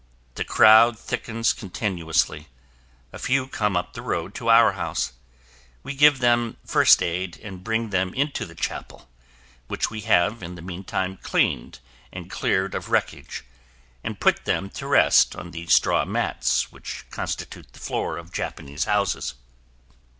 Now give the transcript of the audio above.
The crowd thickens continuously. A few come up the road to our house. We give them first aid and bring them into the chapel, which we have in the meantime cleaned and cleared of wreckage, and put them to rest on the straw mats which constitute the floor of Japanese houses.